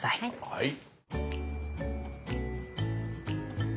はい。